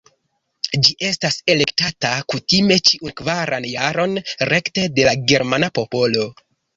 Ĝi estas elektata kutime ĉiun kvaran jaron rekte de la germana popolo.